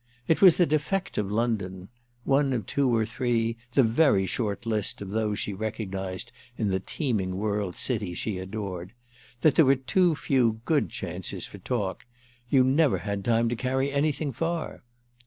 It was the defect of London—one of two or three, the very short list of those she recognised in the teeming world city she adored—that there were too few good chances for talk; you never had time to carry anything far.